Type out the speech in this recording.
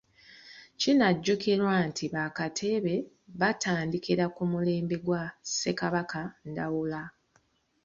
Kinajjukirwa nti bakatebe baatandikira ku mulembe gwa Ssekabaka Ndawula.